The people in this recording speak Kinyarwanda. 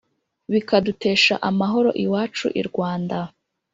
bikadutesha amahoro iwacu i rwanda